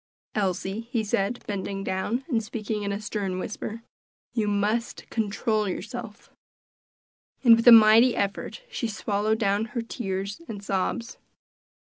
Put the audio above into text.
"Elsie," he said, bending down, and speaking in a stern whisper, "you must control yourself." And with a mighty effort she swallowed down her tears and sobs.